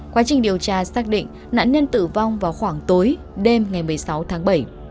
quá trình điều tra xác định nạn nhân tử vong vào khoảng tối đêm ngày một mươi sáu tháng bảy